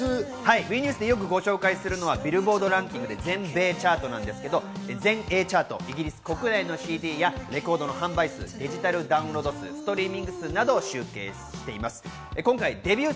ＷＥニュースでよくご紹介するのはビルボードランキングで全米チャートですけれども、全英チャート、イギリス国内のＣＤやレコードの販売数、デジタルダウンロード数、ストリーミング数などを集計しています。